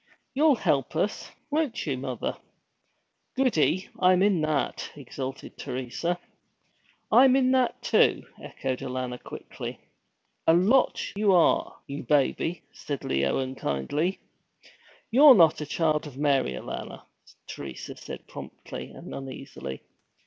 You'll help us, won't you, mother? Goody I'm in that!' exulted Teresa. 'I'm in that, too!' echoed Alanna quickly. 'A lot you are, you baby!' said Leo unkindly. 'You're not a Child of Mary, Alanna,' Teresa said, promptly and uneasily.